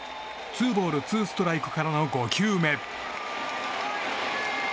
ツーボールツーストライクからの５球目。